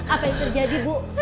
apa yang terjadi bu